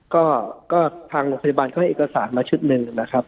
ก็ทางโรงพยาบาลก็ให้เอกสารมาชุดหนึ่งนะครับ